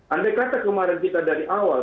andai kata kemarin kita dari awal